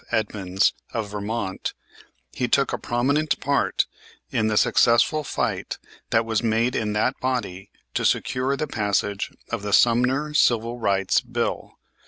Edmunds, of Vermont, he took a prominent part in the successful fight that was made in that body to secure the passage of the Sumner Civil Rights Bill.